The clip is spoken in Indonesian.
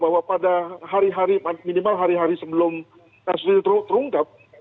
bahwa pada hari hari minimal hari hari sebelum terungkap